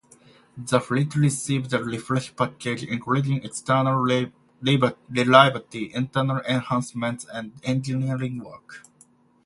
The fleet received a refresh package including external re-livery, internal enhancements and engineering work.